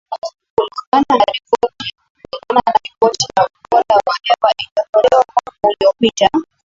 Kulingana na ripoti ya ubora wa hewa iliyotolewa mwaka uliopita.